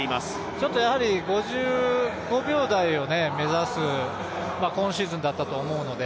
ちょっと５５秒台を目指す今シーズンだったと思うので